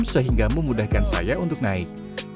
sehingga memudahkan saya untuk naik